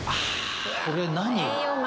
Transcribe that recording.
これ何？